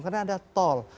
karena ada tol